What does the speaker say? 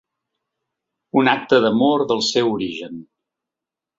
Un acte d’amor del seu origen.